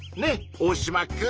オオシマくん。